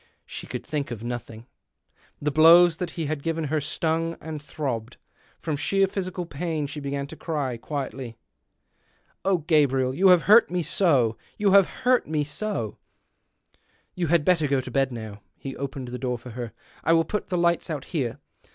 She could think of nothing. The blows that he had given her stung and throbbed ; from sheer physical pain she began to cry — quietly. " Oh, Gabriel, you have hurt me so ! you have hurt me so 1 " "You had better go to bed now." He opened the door for her. " I will put the lights out here.